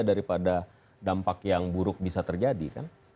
daripada dampak yang buruk bisa terjadi kan